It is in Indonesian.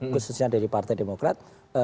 khususnya dari partai demokrat